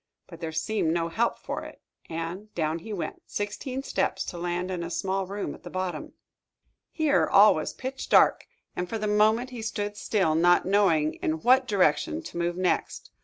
But there seemed no help for it, and down he went, sixteen steps, to land in a small room at the bottom. Here all was pitch dark, and for the moment he stood still, not knowing in what direction to move next.